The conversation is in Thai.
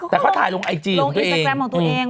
แต่เค้าถ่ายลงไอจีของตัวเอง